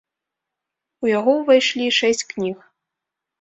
У яго ўвайшлі шэсць кніг.